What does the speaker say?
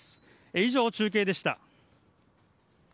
以上、中継でした。